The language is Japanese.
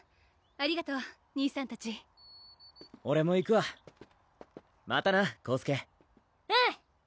ありがとう兄さんたちオレも行くわまたな宏輔うん！